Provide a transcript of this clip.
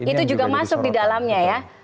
itu juga masuk di dalamnya ya